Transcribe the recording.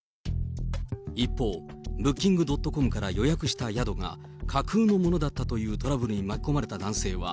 一方、ブッキング・ドットコムから予約した宿が架空のものだったというトラブルに巻き込まれた男性は、